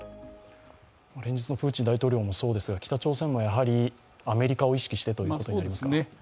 連日のプーチン大統領もそうですが、北朝鮮もやはりアメリカを意識してということになりますか？